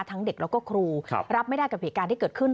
เด็กแล้วก็ครูรับไม่ได้กับเหตุการณ์ที่เกิดขึ้น